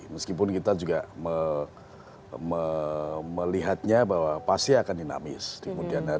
meskipun kita juga melihatnya bahwa pasti akan dinamakan